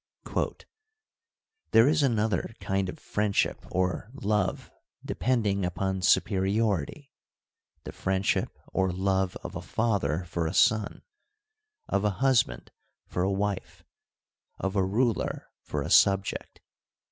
There is another kind of friendship or love depending upon superiority, the friendship or love of a father for a son, of a husband for a wife, of a ruler for a subject.